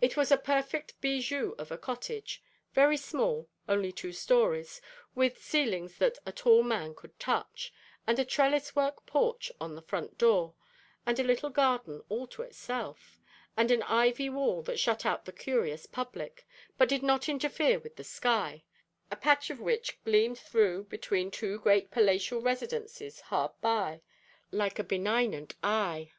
It was a perfect bijou of a cottage; very small only two stories with ceilings that a tall man could touch, and a trellis work porch at the front door, and a little garden all to itself, and an ivy wall that shut out the curious public, but did not interfere with the sky, a patch of which gleamed through between two great palatial residences hard by, like a benignant eye.